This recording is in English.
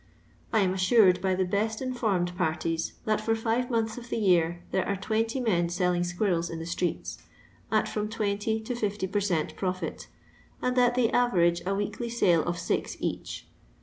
I am assured by the best informed parties that for five months of the year there are 20 men selling squirrels in the streets, at from 20 to 50 per cent, profit, and that they average a weekly sale of six each.